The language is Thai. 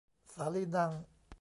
สาลีนัง